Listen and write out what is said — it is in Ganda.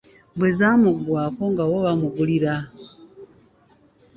Bwe zaamuggwangako nga bo bamugulira.